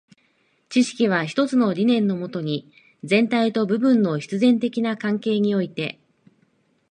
知識は一つの理念のもとに、全体と部分の必然的な関係において、